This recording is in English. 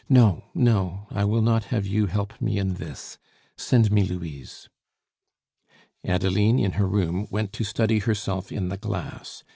No, no; I will not have you help me in this! Send me Louise." Adeline, in her room, went to study herself in the glass.